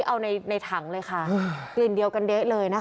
เอาในถังเลยค่ะกลิ่นเดียวกันเด๊ะเลยนะคะ